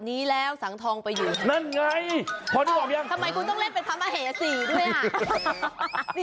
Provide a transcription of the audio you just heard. นี่ฉันอยากเป็นบะหมะเหสี